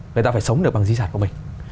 người ta phải sống được bằng di sản của mình